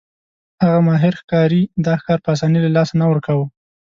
هغه ماهر ښکاري دا ښکار په اسانۍ له لاسه نه ورکاوه.